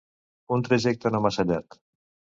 Un trajecte no massa llarg.